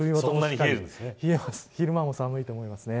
昼間も寒いと思いますね。